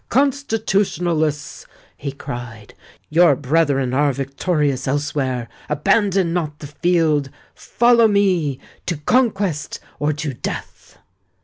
"Constitutionalists!" he cried: "your brethren are victorious elsewhere: abandon not the field! Follow me—to conquest or to death!"